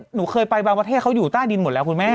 หนูเคยไปบางประเทศเขาอยู่ใต้ดินหมดแล้วคุณแม่